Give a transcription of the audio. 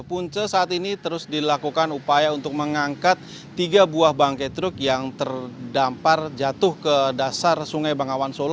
punca saat ini terus dilakukan upaya untuk mengangkat tiga buah bangkai truk yang terdampar jatuh ke dasar sungai bangawan solo